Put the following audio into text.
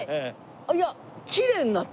いやきれいになった。